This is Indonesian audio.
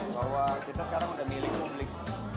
bahwa kita sekarang udah milih publik